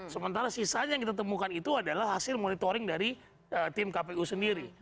sementara sisanya yang kita temukan itu adalah hasil monitoring dari tim kpu sendiri